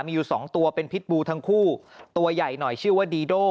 มีอยู่สองตัวเป็นพิษบูทั้งคู่ตัวใหญ่หน่อยชื่อว่าดีโด่